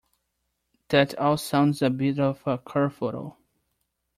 That all sounds a bit of a kerfuffle.